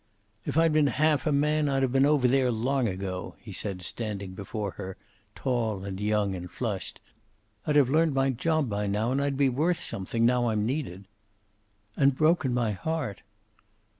"If I'd been half a man I'd have been over there long ago," he said, standing before her, tall and young and flushed. "I'd have learned my job by now, and I'd be worth something, now I'm needed." "And broken my heart."